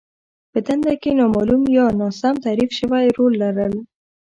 په دنده کې نامالوم يا ناسم تعريف شوی رول لرل.